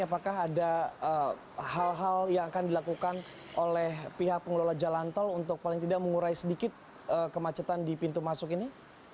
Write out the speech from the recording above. apakah ada hal hal yang akan dilakukan oleh pihak pengelola jalan tol untuk paling tidak mengurai sedikit kemacetan di pintu masuk ini